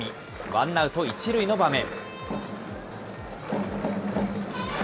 ワンアウト１塁の場面。